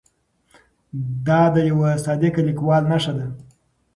دا د یوه صادق لیکوال نښه ده.